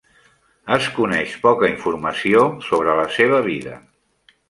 Es coneix poca informació sobre la seva vida.